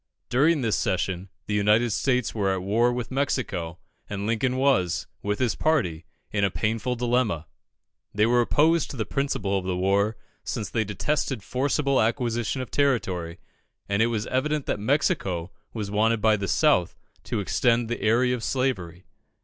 During this session, the United States were at war with Mexico, and Lincoln was, with his party, in a painful dilemma. They were opposed to the principle of the war, since they detested forcible acquisition of territory, and it was evident that Mexico was wanted by the South to extend the area of slavery.